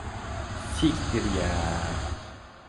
Siktir ya.